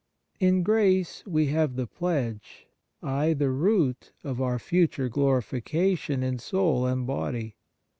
In grace we have the pledge ay, the root of our future glorification in soul and body.